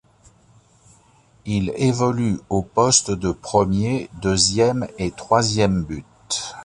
Il évolue aux postes de premier, deuxième et troisième but.